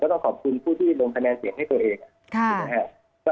ก็ต้องขอบคุณผู้ที่ลงคะแนนเสียงให้ตัวเอง